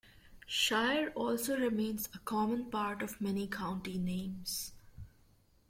Shire also remains a common part of many county names.